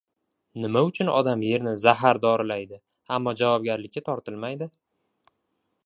Nima uchun odam yerni zahar dorilaydi — ammo javobgarlikka tortilmaydi?